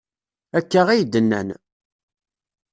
Akka iy-d-nnan.